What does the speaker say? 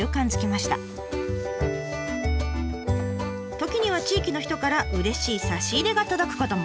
時には地域の人からうれしい差し入れが届くことも。